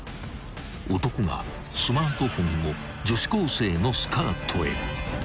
［男がスマートフォンを女子高生のスカートへ！］